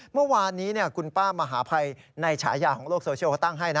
เมื่อวานนี้คุณป้ามหาภัยในฉายาของโลกโซเชียลเขาตั้งให้นะ